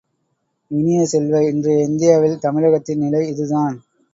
இனிய செல்வ, இன்றைய இந்தியாவில் தமிழகத்தின் நிலை இதுதான்.